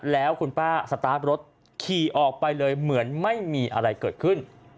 แล้วคุณป้าสตาร์ทรถขี่ออกไปเลยเหมือนไม่มีอะไรเกิดขึ้น